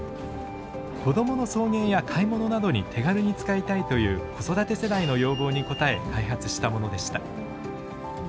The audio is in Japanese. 子どもの送迎や買い物などに手軽に使いたいという子育て世代の要望に応え開発したものでした。